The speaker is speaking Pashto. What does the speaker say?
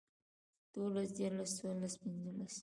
دولس ديارلس څوارلس پنځلس